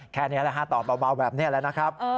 แค่นนี้แหละครับตอบเบาแบบนี้แหละนะครับ